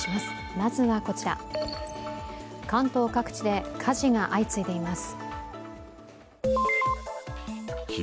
関東各地で火事が相次いでいます。